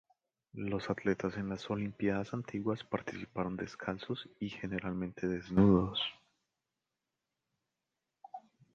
Los atletas en las Olimpiadas Antiguas participaron descalzos y generalmente desnudos.